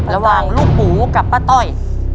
ระหว่างลูกหมูกับป้าต้อย